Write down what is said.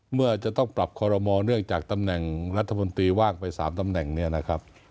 เมื่อจะต้องปรับคอรมอเนื่องจากตำแหน่งรัฐมนตรีว่างไป๓ตำแหน่งเนี่ยนะครับ